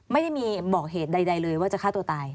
ไม่ได้มีบอกเหตุใดเลยว่าจะฆ่าตัวตาย